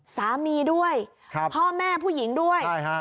สามีด้วยพ่อแม่ผู้หญิงด้วยใช่ฮะ